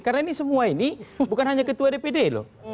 karena ini semua ini bukan hanya ketua dpd loh